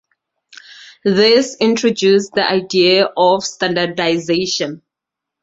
This introduced the idea of standardization.